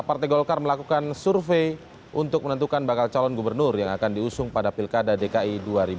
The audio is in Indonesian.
partai golkar melakukan survei untuk menentukan bakal calon gubernur yang akan diusung pada pilkada dki dua ribu delapan belas